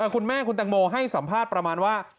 คุณแม่คุณตังโมให้สัมภาษณ์ประมาณว่า